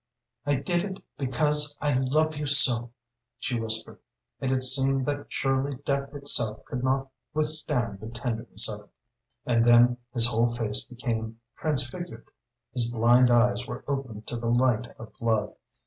"I did it because I love you so!" she whispered, and it seemed that surely death itself could not withstand the tenderness of it. And then his whole face became transfigured. His blind eyes were opened to the light of love.